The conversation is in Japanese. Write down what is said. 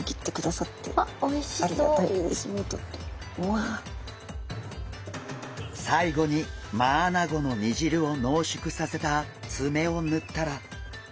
さいごにマアナゴの煮汁を濃縮させたツメをぬったら。